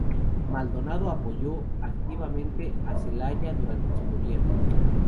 Maldonado apoyó activamente a Zelaya durante su gobierno.